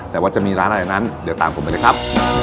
แต่ว่าจะมีร้านอะไรนั้นเดี๋ยวตามผมไปเลยครับ